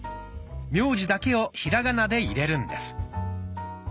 名字だけをひらがなで入れるんです。